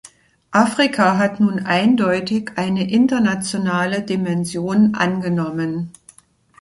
Afrika hat nun eindeutig eine internationale Dimension angenommen.